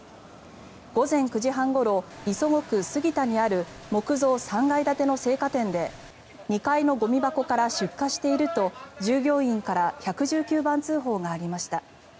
午前９時半ごろ磯子区杉田にある木造３階建ての青果店で２階のゴミ箱から出火していると従業員から１１９番通報がありました。